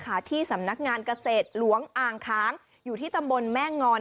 ที่สำนักงานเกษตรหลวงอ่างค้างอยู่ที่ตำบลแม่งอน